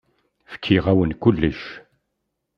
Fkiɣ-awen kullec.